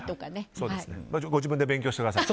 ご自分で勉強してください。